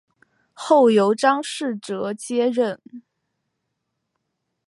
后由张世则接任。